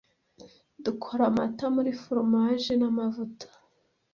Dukora amata muri foromaje n'amavuta.